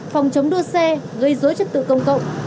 phòng chống đua xe gây dối trật tựu công cộng